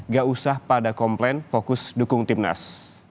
gak usah pada komplain fokus dukung timnas